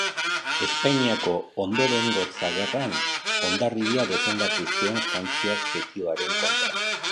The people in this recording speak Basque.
Espainiako Ondorengotza Gerran Hondarribia defendatu zuen frantziar setioaren kontra.